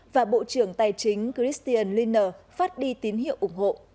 và bộ trưởng tài chính christian linner phát đi tín hiệu ủng hộ